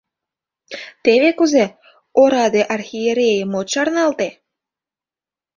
Теве кузе ораде архиерейым от шарналте?